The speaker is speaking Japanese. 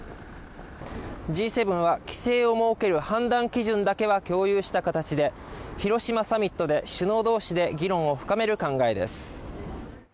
Ｇ７は規制を設ける判断基準だけは共有した形で広島サミットで首脳同士で議論を深める考えです。